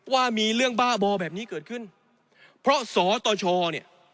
ว่ามีเรื่องบ้าบอแบบนี้เกิดขึ้นเพราะสตชเนี่ย